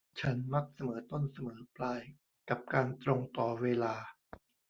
ฉันมักเสมอต้นเสมอปลายกับการตรงต่อเวลา